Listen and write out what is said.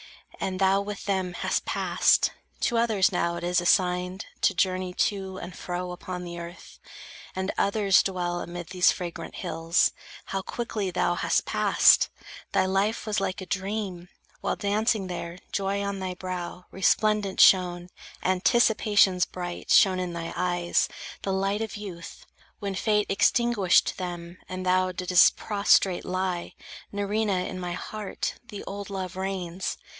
And thou with them Hast passed. To others now it is assigned To journey to and fro upon the earth, And others dwell amid these fragrant hills. How quickly thou hast passed! Thy life was like A dream. While dancing there, joy on thy brow Resplendent shone, anticipations bright Shone in thy eyes, the light of youth, when Fate Extinguished them, and thou didst prostrate lie. Nerina, in my heart the old love reigns.